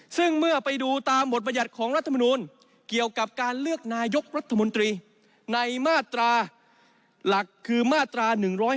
ซึ่งเมื่อไปดูตามบทบรรยัติของรัฐมนูลเกี่ยวกับการเลือกนายกรัฐมนตรีในมาตราหลักคือมาตรา๑๕